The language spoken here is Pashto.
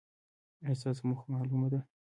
ایا ستاسو موخه معلومه ده؟